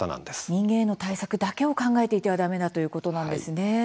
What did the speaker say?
人間への対策だけを考えていてはだめだということなんですね。